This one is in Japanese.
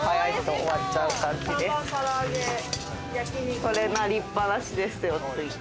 これ鳴りっ放しですよ。